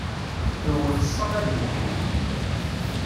Tewwet ṣaba di lmeḥna-w.